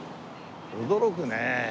驚くねえ。